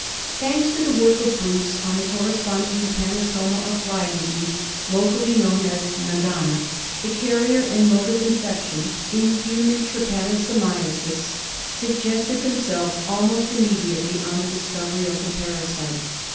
Thanks to the work of Bruce on the corresponding trypanosoma of fly disease — locally known as Nagana — the carrier and mode of infection in human trypanoso miasis suggested themselves almost immediately on the discovery of the parasite.